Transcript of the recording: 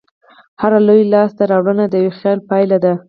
هره لویه لاستهراوړنه د یوه خیال پایله ده.